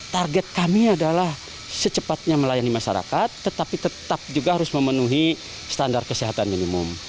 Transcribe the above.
target kami adalah secepatnya melayani masyarakat tetapi tetap juga harus memenuhi standar kesehatan minimum